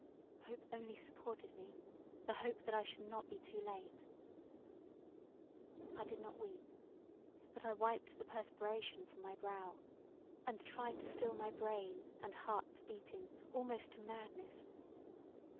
Hope only supported me, the hope that I should not be too late[.] I did not weep, but I wiped the perspiration from my brow, and tried to still my brain and heart beating almost to madness.